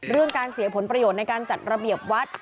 เรื่องการเสียผลประโยชน์ในการจัดระเบียบวัด